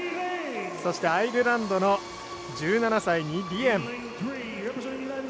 そして、アイルランドの１７歳、ニリエン。